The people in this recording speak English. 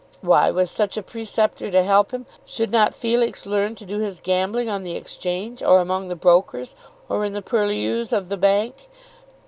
Why, with such a preceptor to help him, should not Felix learn to do his gambling on the Exchange, or among the brokers, or in the purlieus of the Bank?